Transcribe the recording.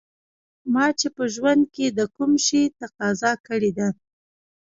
ما چې په ژوند کې د کوم شي تقاضا کړې ده